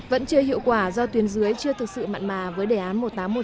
vẫn chưa hiệu quả do tuyến dưới chưa thực sự mặn mà với đề án một nghìn tám trăm một mươi một